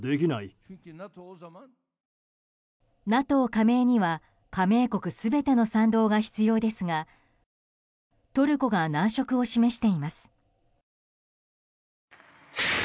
ＮＡＴＯ加盟には加盟国全ての賛同が必要ですがトルコが難色を示しています。